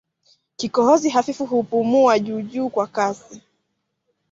Kikohozi hafifu kupumua juujuu na kwa kasi